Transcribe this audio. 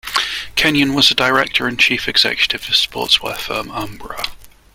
Kenyon was a director and chief executive of sportswear firm Umbro.